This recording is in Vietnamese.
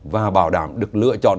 và bảo đảm được lựa chọn